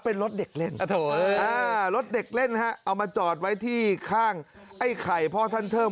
เป็นรถเด็กเล่นรถเด็กเล่นฮะเอามาจอดไว้ที่ข้างไอ้ไข่พ่อท่านเทิม